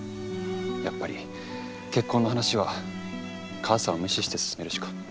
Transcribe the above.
やっぱり結婚の話は母さんを無視して進めるしか。